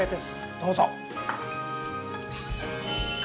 どうぞ。